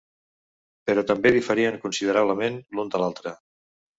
Però també diferien considerablement l'un de l'altre.